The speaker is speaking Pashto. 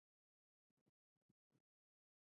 علاوالدین هم د جلال الدین پسې پاچاهي وکړه.